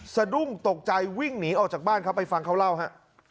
สะดุ้งตกใจวิ่งหนีออกจากบ้านครับไปฟังเขาเล่าฮะ